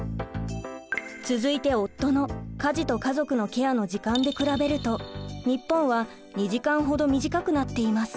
続いて夫の家事と家族のケアの時間で比べると日本は２時間ほど短くなっています。